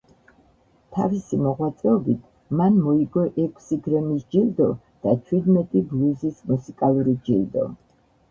თავისი მოღვაწეობით მან მოიგო ექვსი გრემის ჯილდო და ჩვიდმეტი ბლუზის მუსიკალური ჯილდო.